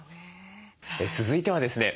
続いてはですね